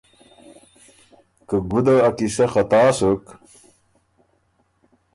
که ګُده ا قیصۀ خطا سُک۔